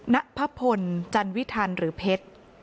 นักพระพลจันวิทัณฑ์หรือเพชร